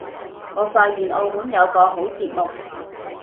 我發現澳門有個好節目